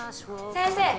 先生！